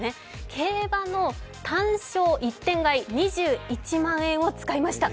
競馬の単勝１点買い２１万円を使いました。